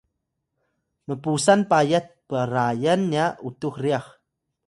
mpusan payat prayan nya utux ryax